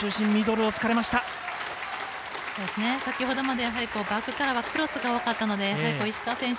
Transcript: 先ほどまで、バックからはクロスが多かったので石川選手